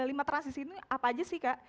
jadi lima transisi apa aja sih kak